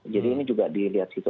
jadi ini juga dilihat gitu